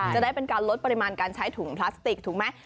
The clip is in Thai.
จะได้เป็นการลดปริมาณการใช้ถุงพลาสติกถูกไหม